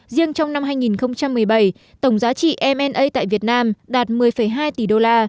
riêng trong năm hai nghìn một mươi bảy tổng giá trị mna tại việt nam đạt một mươi hai tỷ usd